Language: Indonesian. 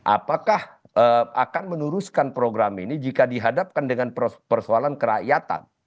apakah akan meneruskan program ini jika dihadapkan dengan persoalan kerakyatan